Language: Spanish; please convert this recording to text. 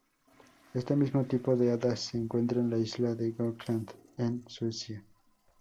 Este mismo tipo de hadas se encuentra en la isla de Gotland, en Suecia.